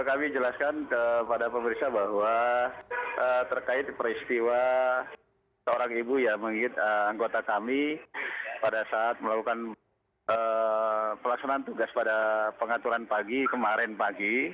kami jelaskan kepada pemerintah bahwa terkait peristiwa seorang ibu ya mengingat anggota kami pada saat melakukan pelaksanaan tugas pada pengaturan pagi kemarin pagi